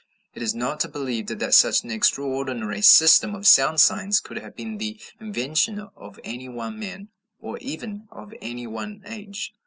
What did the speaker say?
It is not to be believed that such an extraordinary system of sound signs could have been the invention of any one man or even of any one age.